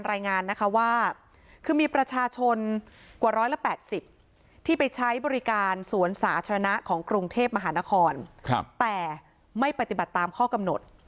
ละ๘๐ที่ไปใช้บริการสวนสาธารณะของกรุงเทพมหานครแต่ไม่ปฏิบัติตามข้อกำหนด